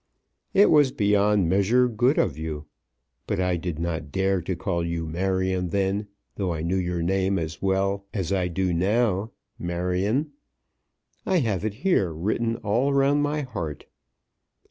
"It was beyond measure good of you; but I did not dare to call you Marion then, though I knew your name as well as I do now, Marion! I have it here, written all round my heart."